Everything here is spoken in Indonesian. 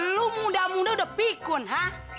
lu muda muda udah pikun ha